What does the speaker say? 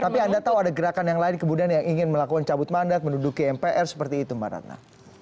tapi anda tahu ada gerakan yang lain kemudian yang ingin melakukan cabut mandat menduduki mpr seperti itu mbak ratna